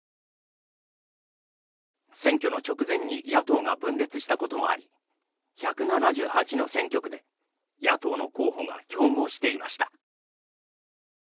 選挙の直前に野党が分裂したこともあり１７８の選挙区で野党の候補が競合していました。